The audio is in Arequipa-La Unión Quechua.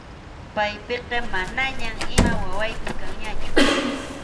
Paypiqa manañam ima wawaypas kanñachu.